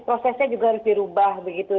prosesnya juga harus dirubah begitu